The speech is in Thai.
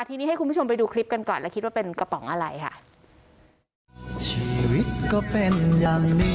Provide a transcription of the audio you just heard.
ทีนี้ให้คุณผู้ชมไปดูคลิปกันก่อนแล้วคิดว่าเป็นกระป๋องอะไรค่ะ